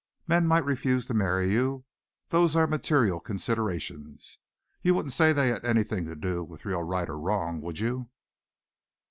Men might refuse to marry you. Those are material considerations. You wouldn't say they had anything to do with real right or wrong, would you?"